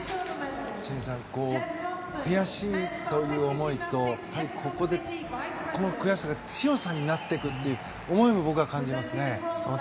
悔しいという思いとここでこの悔しさが強さになっていくという思いも僕は感じますね。